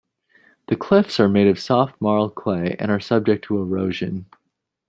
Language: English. The cliffs are made of soft marl clay and are subject to erosion.